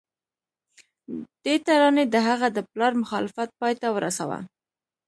دې ترانې د هغه د پلار مخالفت پای ته ورساوه